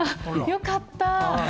よかった。